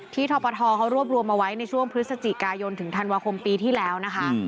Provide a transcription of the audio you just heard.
ทปทเขารวบรวมเอาไว้ในช่วงพฤศจิกายนถึงธันวาคมปีที่แล้วนะคะ